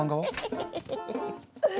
え